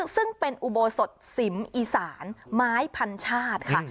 ซึ่งเป็นอุโบสถสิมอีสานไม้พันชาติค่ะ